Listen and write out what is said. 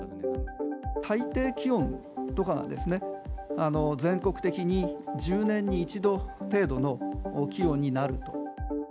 最低気温とかがですね、全国的に１０年に１度程度の気温になると。